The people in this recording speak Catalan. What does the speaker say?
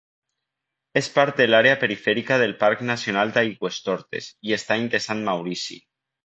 És part de l'àrea perifèrica del Parc Nacional d'Aigüestortes i Estany de Sant Maurici.